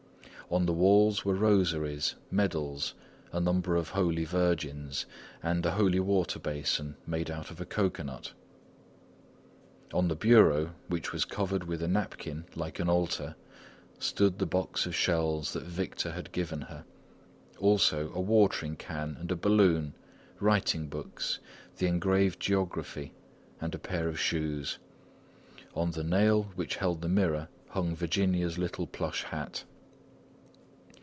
On the walls were rosaries, medals, a number of Holy Virgins, and a holy water basin made out of a cocoanut; on the bureau, which was covered with a napkin like an altar, stood the box of shells that Victor had given her; also a watering can and a balloon, writing books, the engraved geography and a pair of shoes; on the nail which held the mirror, hung Virginia's little plush hat!